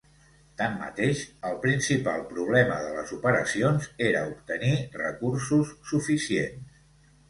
Tanmateix, el principal problema de les operacions era obtenir recursos suficients.